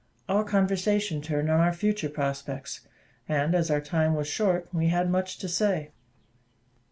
Our conversation turned on our future prospects; and, as our time was short, we had much to say.